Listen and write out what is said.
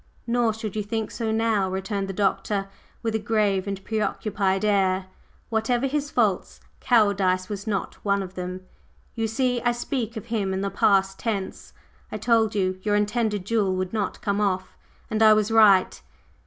"Nor should you think so now," returned the Doctor, with a grave and preoccupied air. "Whatever his faults, cowardice was not one of them. You see, I speak of him in the past tense. I told you your intended duel would not come off, and I was right.